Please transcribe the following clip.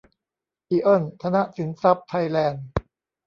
อิออน ธนสินทรัพย์ ไทยแลนด์